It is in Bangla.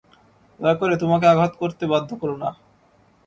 দয়া করে তোমাকে আঘাত করতে বাধ্য করোনা!